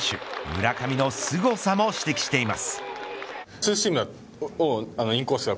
村上のすごさも指摘しています。